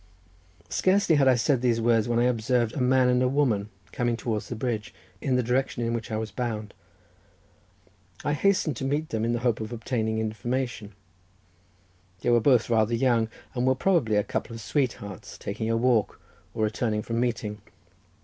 Scarcely had I said these words, when I observed a man and a woman coming towards the bridge from the direction in which I was bound. I hastened to meet them, in the hope of obtaining information; they were both rather young, and were probably a couple of sweethearts taking a walk, or returning from meeting.